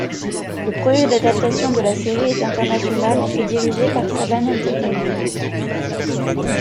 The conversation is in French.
Le projet d'adaptation de la série est international et dirigée par Saban Entertainment.